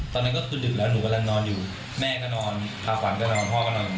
ตอนนั้นก็คือดึกแล้วหนูกำลังนอนอยู่แม่ก็นอนพาขวัญก็นอนพ่อก็นอน